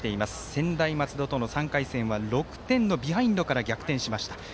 専大松戸との３回戦は６点のビハインドから逆転しました。